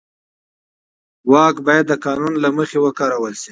واک باید د قانون له مخې وکارول شي.